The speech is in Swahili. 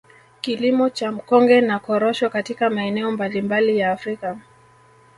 Kilimo cha mkonge na Korosho katika maeneo mbalimbali ya Afrika